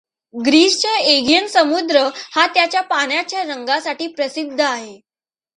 ग्रीसचा Aegon समुद्र हा त्याच्या पाण्याच्या रंगासाठी प्रसिद्ध आहे.